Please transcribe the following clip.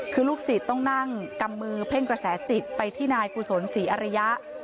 คือลูกศิษย์ต้องนั่งกำมือเพ่งกระแสจิตไปที่นายกุศลศรีอริยะ